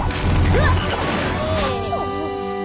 うわっ。